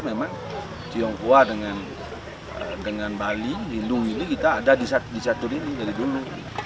memang tionghoa dengan bali lindungi ini kita ada di catur ini dari dulu